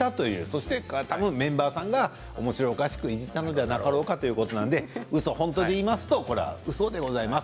そして多分メンバーさんがおもしろおかしくいじったのではなかろうかということなのでウソ、ホントで言いますとこれは、ウソでございます。